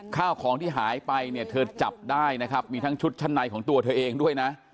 ข้าวของที่หายไปเนี่ยเธอจับได้นะครับมีทั้งชุดชั้นในของตัวเธอเองด้วยนะ